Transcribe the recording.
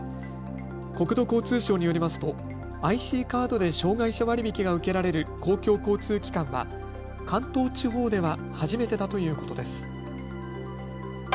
国土交通省によりますとＩＣカードで障害者割引が受けられる公共交通機関は関東地方では初めてだということです。